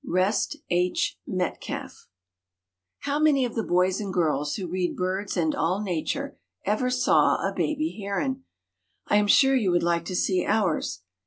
REST H. METCALF. How many of the boys and girls who read BIRDS AND ALL NATURE ever saw a baby heron? I am sure you would like to see ours.